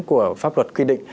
của pháp luật quy định